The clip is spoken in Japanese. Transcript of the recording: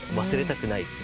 忘れたくない。